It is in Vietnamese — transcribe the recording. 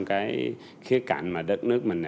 cái khía cạnh mà đất nước mình